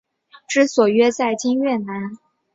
治所约在今越南乂安省演州县境内。